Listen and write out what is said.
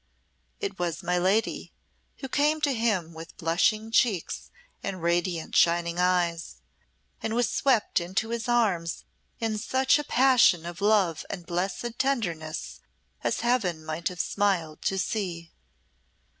It was my lady, who came to him with blushing cheeks and radiant shining eyes, and was swept into his arms in such a passion of love and blessed tenderness as Heaven might have smiled to see.